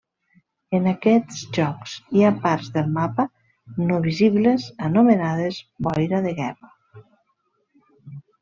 En aquests jocs hi ha parts del mapa no visibles anomenades boira de guerra.